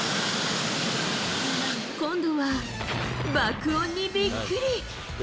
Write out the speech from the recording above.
今度は爆音にびっくり。